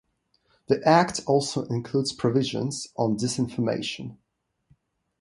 The act also includes provisions on disinformation.